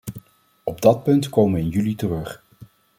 Op dat punt komen we in juli terug.